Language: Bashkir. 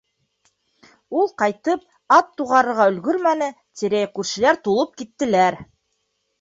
Ул ҡайтып, ат туғарырға өлгөрмәне, тирә-яҡ күршеләр тулып киттеләр.